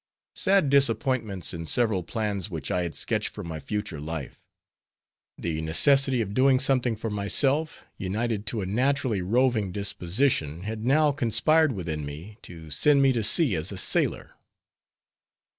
Sad disappointments in several plans which I had sketched for my future life; the necessity of doing something for myself, united to a naturally roving disposition, had now conspired within me, to send me to sea as a sailor.